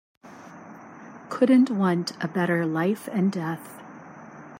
Couldn't want a better life and death.